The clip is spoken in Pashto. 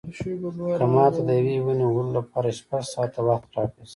که ماته د یوې ونې وهلو لپاره شپږ ساعته وخت راکړل شي.